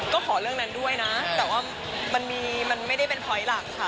ก็ขอเรื่องนั้นด้วยนะแต่ว่ามันไม่ได้เป็นพลอยหลักค่ะ